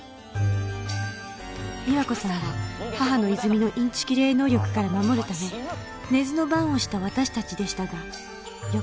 美和子さんを母之泉のインチキ霊能力から守るため寝ずの番をした私たちでしたが翌朝